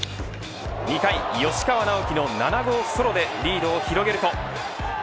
２回、吉川尚輝の７号ソロでリードを広げると。